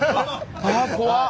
あ怖っ。